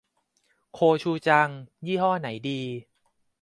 โคชูจัง ยี่ห้อไหนดี